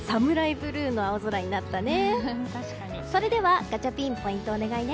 ブルーの青空になったね。